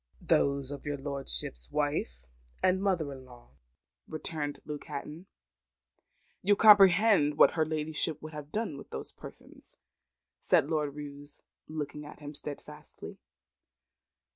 "Those of your lordship's wife and mother in law," returned Luke Hatton. "You comprehend what her ladyship would have done with those persons?" said Lord Roos, looking at him steadfastly.